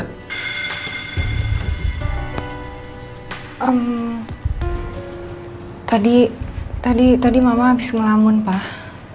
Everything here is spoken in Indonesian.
nih tadi mama abis ngelamun pak